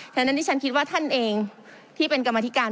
ฉะนั้นที่ฉันคิดว่าท่านเองที่เป็นกรรมธิการ